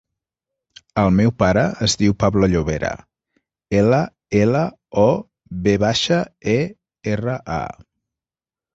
El meu pare es diu Pablo Llovera: ela, ela, o, ve baixa, e, erra, a.